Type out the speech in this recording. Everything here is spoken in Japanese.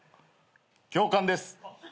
教官です。